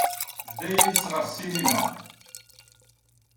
Tedda yid-s ɣer ssinima.